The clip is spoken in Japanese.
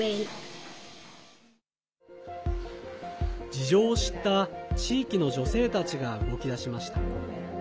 事情を知った地域の女性たちが動きだしました。